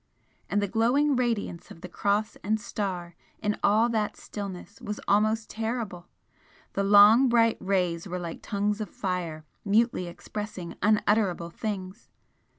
And the glowing radiance of the Cross and Star in all that stillness was almost terrible! the long bright rays were like tongues of fire mutely expressing unutterable things!